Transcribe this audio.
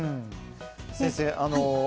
先生